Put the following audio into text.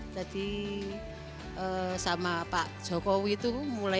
tadi sama pak jokowi itu mulai